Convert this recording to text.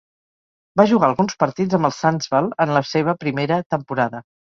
Va jugar alguns partits amb el Sundsvall en la seva primera temporada.